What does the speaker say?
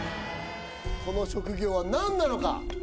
この職業は何なのか？